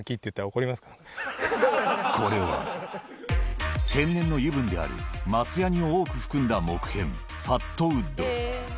次、これは、天然の油分である、松やにを多く含んだ木片、ファットウッド。